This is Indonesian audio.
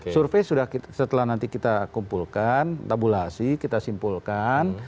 survei sudah setelah nanti kita kumpulkan tabulasi kita simpulkan